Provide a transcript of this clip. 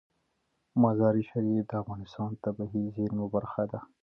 مزارشریف د افغانستان د طبیعي زیرمو برخه ده.